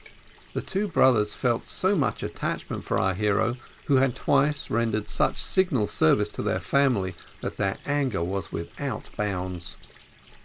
The two brothers felt so much attachment for our hero, who had twice rendered such signal service to their family, that their anger was without bounds.